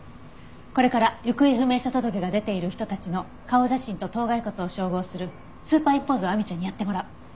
これから行方不明者届が出ている人たちの顔写真と頭蓋骨を照合するスーパーインポーズを亜美ちゃんにやってもらう。